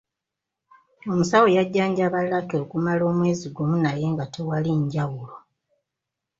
Omusawo yajjanjaba Lucky okumala omwezi gumu naye nga tewali njawulo.